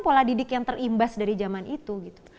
pola didik yang terimbas dari zaman itu